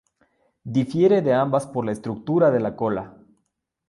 Difiere de ambas por la estructura de la cola.